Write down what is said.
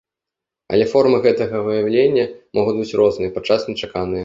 Але формы гэтага выяўлення могуць быць розныя, падчас нечаканыя.